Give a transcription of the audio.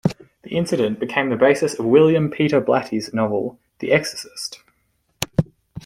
The incident became the basis of William Peter Blatty's novel, "The Exorcist".